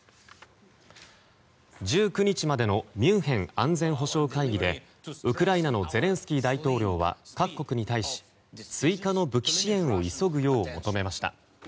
１９日までのミュンヘン安全保障会議でウクライナのゼレンスキー大統領は各国に対し追加の武器支援を急ぐよう求めました。